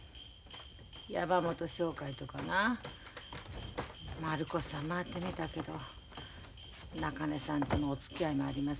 山本商会とかな丸越さん回ってみたけど「中根さんとのおつきあいもあります